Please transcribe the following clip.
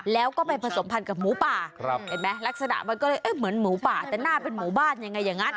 แล้วก็ไปผสมพันธ์กับหมูป่าเห็นไหมลักษณะมันก็เลยเหมือนหมูป่าแต่หน้าเป็นหมู่บ้านยังไงอย่างนั้น